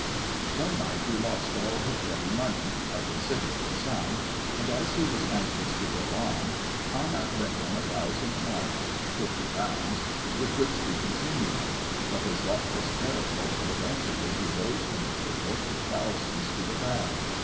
One night he lost all his ready money a considerable sum and as he was anxious to go on Anna lent him a thousand marks (fifty pounds) with which to continue. But his luck was terrible, and eventually he rose from the table thousands to the bad.